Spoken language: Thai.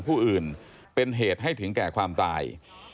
อัยการพิจารณาส่องความตาย